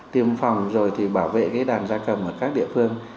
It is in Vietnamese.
tiêm phòng rồi thì bảo vệ cái đàn da cầm ở các địa phương